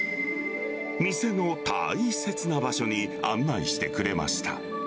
店の大切な場所に案内してくれました。